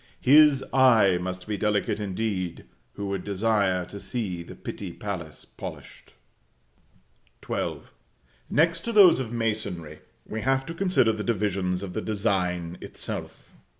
His eye must be delicate indeed, who would desire to see the Pitti palace polished. XII. Next to those of the masonry, we have to consider the divisions of the design itself.